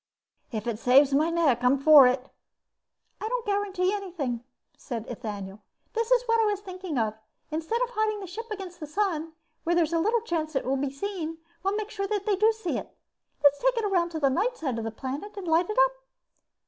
"If it saves my neck I'm for it." "I don't guarantee anything," said Ethaniel. "This is what I was thinking of: instead of hiding the ship against the sun where there's little chance it will be seen, we'll make sure that they do see it. Let's take it around to the night side of the planet and light it up."